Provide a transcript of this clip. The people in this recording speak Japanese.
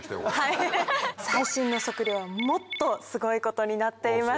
最新の測量はもっとすごいことになっていました。